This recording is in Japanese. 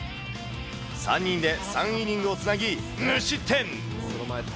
３人で３イニングをつなぎ、無失点。